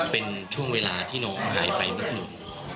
เป็นช่วงเวลาที่น้องหายไปเมื่อคืน